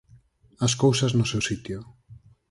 As cousas no seu sitio.